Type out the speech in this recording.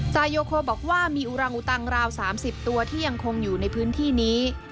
โยโคบอกว่ามีอุรังอุตังราว๓๐ตัวที่ยังคงอยู่ในพื้นที่นี้